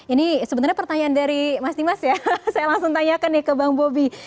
ini sebenarnya pertanyaan dari mas dimas ya saya langsung tanyakan nih ke bang bobi